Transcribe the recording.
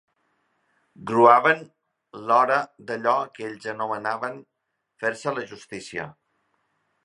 Gruaven l'hora d'allò que ells anomenaven «fer-se la justícia».